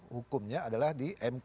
hukumnya adalah di mk